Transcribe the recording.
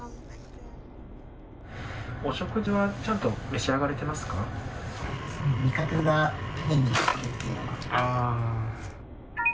お食事はちゃんと召し上がれてますか？